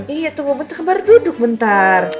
iya tunggu bentar baru duduk bentar